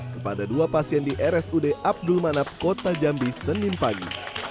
kepada dua pasien di rsud abdul manab kota jambi senin pagi